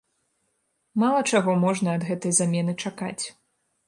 Мала чаго можна ад гэтай замены чакаць.